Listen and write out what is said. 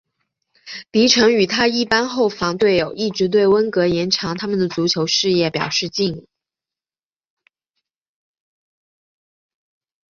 迪臣与他一班后防队友一直对温格延长他们的足球事业表示敬意。